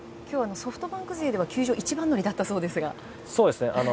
ソフトバンク勢では球場一番乗りだったそうですが。